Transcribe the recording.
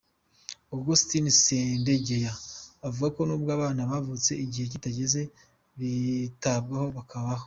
Augustin Sendegeya, avuga ko nubwo abana bavutse igihe kitageze, bitabwaho bakabaho.